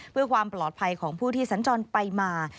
เพื่อความปลอดภัยของผู้ที่สัญจรไปมา